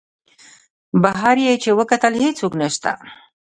بهر یې چې وکتل هېڅوک نسته.